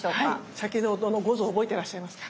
先ほどの五臓覚えていらっしゃいますか？